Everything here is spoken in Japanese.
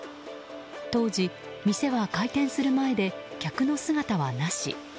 当時、店は開店する前で客の姿はなし。